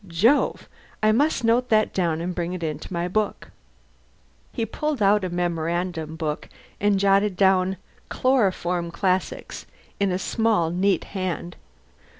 Jove! I must note that down and bring it into my book." He pulled out a memorandum book and jotted down "Chloroform Classics" in a small, neat hand.